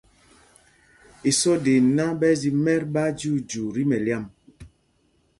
Isoda iná ɓɛ́ ɛ́ zi mɛ̄t ɓáájyuujyuu tí mɛlyam.